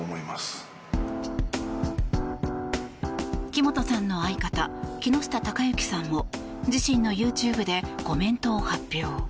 木本さんの相方木下隆行さんも自身のＹｏｕＴｕｂｅでコメントを発表。